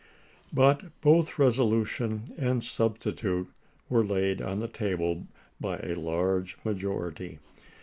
But both resolution and substitute were laid on the table by a large majority.